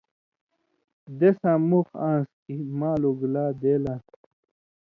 دیساں مُخ آن٘س کھیں مال اُگلا دے لان٘س